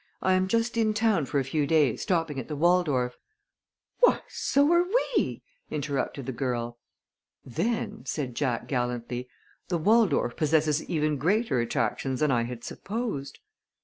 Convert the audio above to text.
I am just in town for a few days, stopping at the Waldorf." "Why, so are we," interrupted the girl. "Then," said Jack, gallantly, "the Waldorf possesses even greater attractions than I had supposed."